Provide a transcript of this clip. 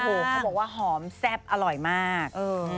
เขาบอกว่าหอมแซ่บอร่อยมาก